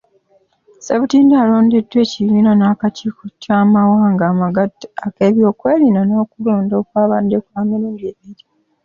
Ssebutinde alondeddwa ekibiina n'akakiiko ky'amawanga amagatte ak'ebyokwerinda, ng'okulonda kwabadde kwa mirundi ebiri.